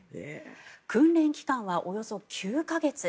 訓練期間はおよそ９か月。